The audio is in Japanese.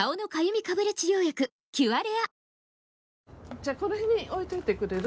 じゃあこの辺に置いといてくれる？